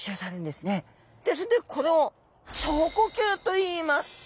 でそれでこれを腸呼吸といいます。